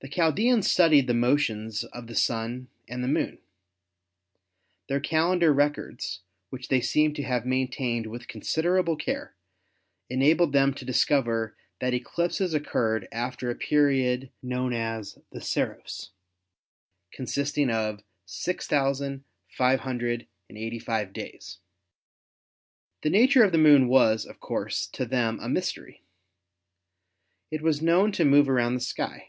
The Chaldeans studied the motions of the Sun and the Moon. Their calendar records, which they seem to have maintained with considerable care, enabled them to discover that eclipses occurred after a period known as the Saros, consisting of 6,585 days. ...jNew fielow the Plane a Fig. 22 — The Moon's Path Around the Sun. The nature of the Moon was, of course, to them a mystery. It was known to move around the sky.